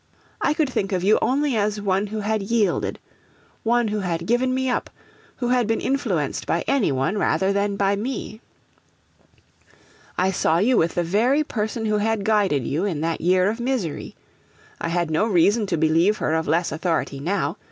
I could think of you only as one who had yielded, who had given me up, who had been influenced by anyone rather than by me. I saw you with the very person who had guided you in that year of misery. I had no reason to believe her of less authority now.